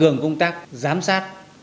cơ quan công tác giám sát